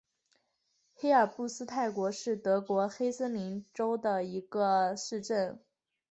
黑尔布斯泰因是德国黑森州的一个市镇。